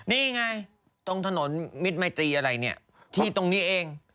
นี่ไงตรงถนนมิตรมัยตรีอะไรเนี่ยที่ตรงนี้เอง